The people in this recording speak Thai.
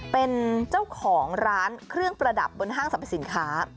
เป็นเจ้าของร้านเครื่องประดับบนห้างสรรพสินค้า